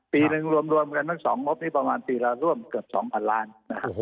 ปีหนึ่งรวมกันทั้ง๒งบนี้ประมาณปีละร่วมเกือบ๒๐๐ล้าน